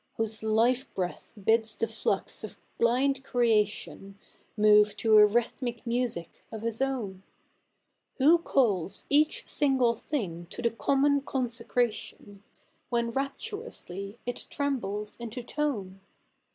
Whose life bi'eath bids the flnx of blind creation Alove to a rhythmic music of his own ? Who calls each single thing to the common consecration. When 7 aptni'onsly it tre?}ibles into tone